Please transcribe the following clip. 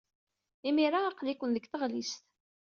Imir-a, aql-iken deg tɣellist.